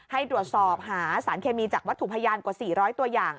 ให้ตรวจสอบหาสารเคมีจากวัตถุพยานกว่า๔๐๐ตัวอย่าง